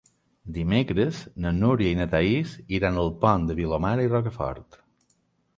Dimecres na Núria i na Thaís iran al Pont de Vilomara i Rocafort.